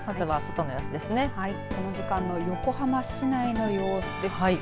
はい、この時間の横浜市内の様子です。